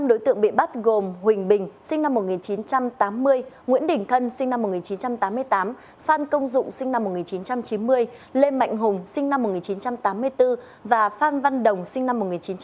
năm đối tượng bị bắt gồm huỳnh bình sinh năm một nghìn chín trăm tám mươi nguyễn đình thân sinh năm một nghìn chín trăm tám mươi tám phan công dụng sinh năm một nghìn chín trăm chín mươi lê mạnh hùng sinh năm một nghìn chín trăm tám mươi bốn và phan văn đồng sinh năm một nghìn chín trăm tám mươi